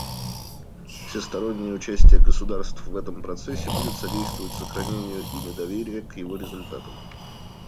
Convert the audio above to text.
Всестороннее участие государств в этом процессе будет содействовать сохранению ими доверия к его результатам.